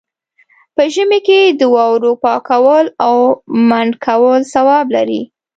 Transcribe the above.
په ژمي کې د واورو پاکول او منډ کول ثواب لري.